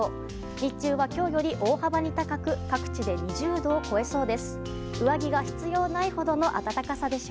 日中は今日より大幅に高く各地で２０度を超えそうです。